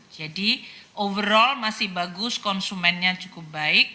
jadi overall masih bagus konsumennya cukup baik